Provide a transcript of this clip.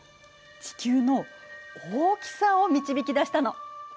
地球の大きさを導き出したの。